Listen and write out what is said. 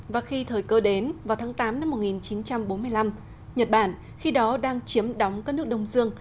và khi thời cơ đến vào tháng tám năm một nghìn chín trăm bốn mươi năm nhật bản khi đó đang chiếm đóng các nước đông dương